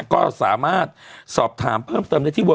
เป็นการกระตุ้นการไหลเวียนของเลือด